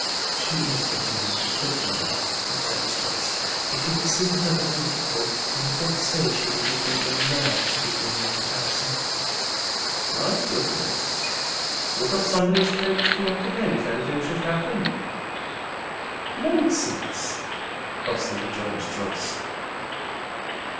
"She is getting over it quickly, now," returned Joyce. "If you had seen her but a week ago, you would not say she was looking ill now, speaking in comparison." "My goodness! Would not somebody's hopes be up again if anything should happen?" "Nonsense!" crossly rejoined Joyce.